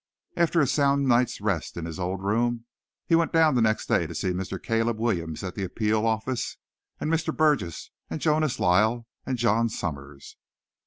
After a sound night's rest in his old room he went down the next day to see Mr. Caleb Williams at the Appeal office, and Mr. Burgess, and Jonas Lyle, and John Summers.